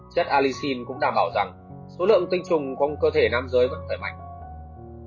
chất alixin cũng đảm bảo rằng số lượng tinh trùng trong cơ thể nam giới vẫn khỏe mạnh